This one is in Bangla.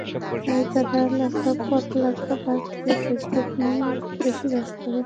তাই তারা পড়ালেখা বাদ দিয়ে ফেসবুক নিয়েই বেশি ব্যস্ত হয়ে পড়ে।